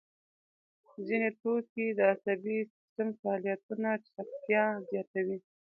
ځیني توکي د عصبي سیستم فعالیتونه چټکتیا زیاتوي.